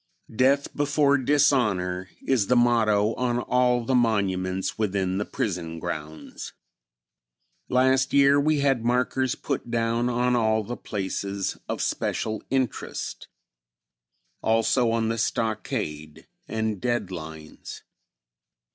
"Death Before Dishonor" is the motto on all the monuments within the prison grounds. Last year we had markers put down on all the places of special interest; also on the stockade and dead lines.